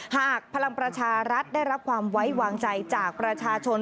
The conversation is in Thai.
พลังประชารัฐได้รับความไว้วางใจจากประชาชน